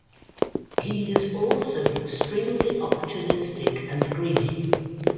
He is also extremely opportunistic and greedy.